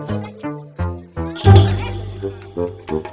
aduh terpaksa deh